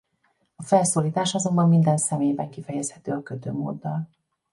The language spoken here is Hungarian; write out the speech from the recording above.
A felszólítás azonban minden személyben kifejezhető a kötőmóddal.